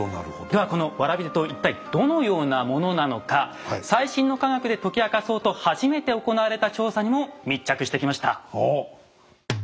ではこの蕨手刀一体どのようなものなのか最新の科学で解き明かそうと初めて行われた調査にも密着してきました。